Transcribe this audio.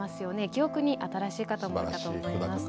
記憶に新しい方もいるかと思います。